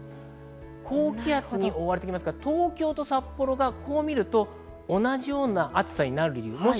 高気圧に覆われてきますから東京と札幌がこう見ると、同じような暑さになります。